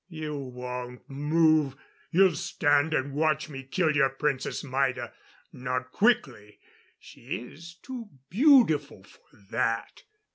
You won't move you'll stand and watch me kill your Princess Maida not quickly she is too beautiful for that.